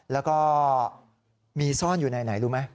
แล้วก็มีซ่อนอยู่ในไหนรู้ไหม